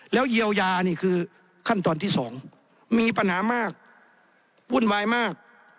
แล้วเยียวยานี่คือขั้นตอนที่๒มีปัญหามากวุ่นวายมาก